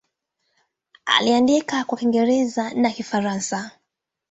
Aliandika kwa Kiingereza na Kifaransa.